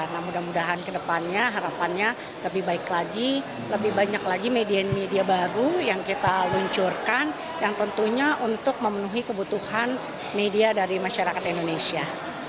nah mudah mudahan kedepannya harapannya lebih baik lagi lebih banyak lagi media media baru yang kita luncurkan yang tentunya untuk memenuhi kebutuhan media dari masyarakat indonesia